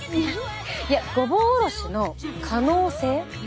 いやごぼおろしの可能性。